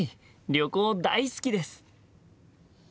旅行大好きです！